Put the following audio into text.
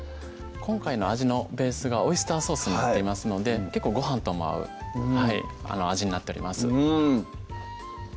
今回の味のベースがオイスターソースになっていますので結構ごはんとも合う味になっております